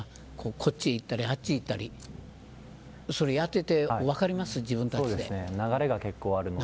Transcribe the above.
こっち行ったりあっちに行ったりやっていて分かります流れが結構あるので。